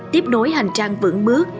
tiếp nối hành trang vững bước